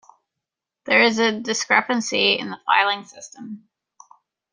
There is a discrepancy in the filing system.